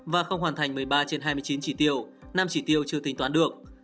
và không hoàn thành một mươi ba trên hai mươi chín chỉ tiêu năm chỉ tiêu chưa tính toán được